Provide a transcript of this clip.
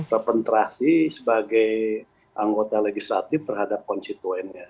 representasi sebagai anggota legislatif terhadap konstituennya